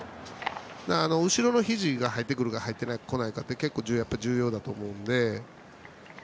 後ろのひじが入ってくるか入ってこないかって結構重要だと思うので。